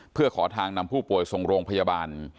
เพื่อขอทางนำผู้ป่วยส่งโรงพยาบาล